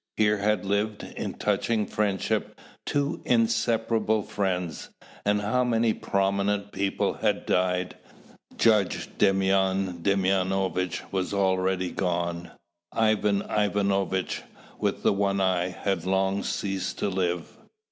Here had lived, in touching friendship, two inseparable friends. And how many prominent people had died! Judge Demyan Demyanovitch was already gone: Ivan Ivanovitch, with the one eye, had long ceased to live.